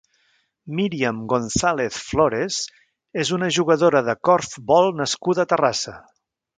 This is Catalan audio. Míriam González Flores és una jugadora de corfbol nascuda a Terrassa.